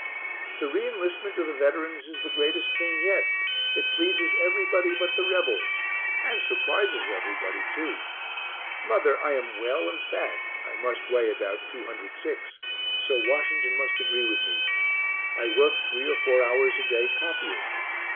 The re enlistment of the veterans is the greatest thing yet; it pleases everybody but the Rebels and surprises everybody too. Mother, I am well and fat (I must weigh about 206), so Washington must agree with me. I work three or four hours a day copying.